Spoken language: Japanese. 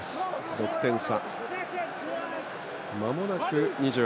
６点差。